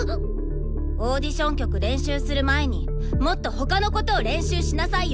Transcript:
オーディション曲練習する前にもっと他のことを練習しなさいよ！